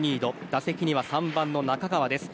打席には３番の中川です。